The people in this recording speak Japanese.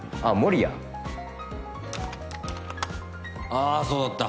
ああそうだった。